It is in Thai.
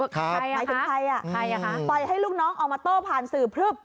หมายถึงใครอ่ะใครอ่ะคะปล่อยให้ลูกน้องออกมาโต้ผ่านสื่อพลึบ